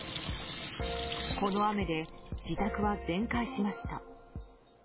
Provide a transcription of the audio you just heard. この雨で、自宅は全壊しました。